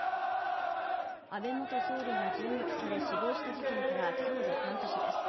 安倍元総理が銃撃され死亡した事件から今日で半年です。